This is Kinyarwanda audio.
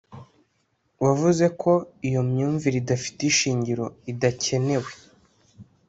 wavuze ko ‘iyo myumvire idafite ishingiro idakenewe’